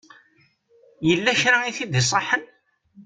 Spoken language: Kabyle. Yella kra i t-id-iṣaḥen?